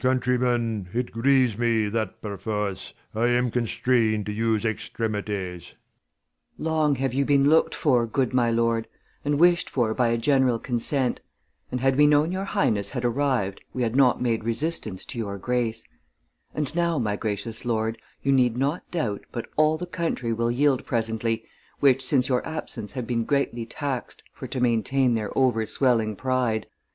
Leir. JKLjnd countrymen, it grieves me, that perforce, I am constrain'd to use extremities. 10 Nobles. Long have you here been look'd for, good my lord, And wish'd for by a general consent : And had we known your highness had arrivM, We had not made resistance to your grace : And now, my gracious lord, you need not doubt, 1 5 But all the country will yield presently, Which since your absence have been greatly tax'd, For to maintain their overswelling pride.